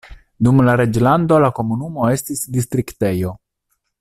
Dum la reĝlando la komunumo estis distriktejo.